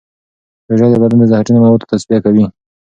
روژه د بدن د زهرجنو موادو تصفیه کوي.